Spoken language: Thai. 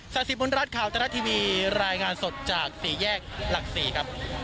ศักดิ์สิทธิ์บุญรัฐข่าวตระดับทีวีรายงานสดจากศรีแยกหลักศรีครับ